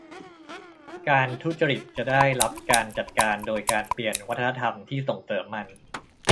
การทุจริตจะได้รับการจัดการโดยการเปลี่ยนวัฒนธรรมที่ส่งเสริมมัน